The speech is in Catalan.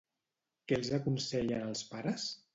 Què els aconsellen als pares?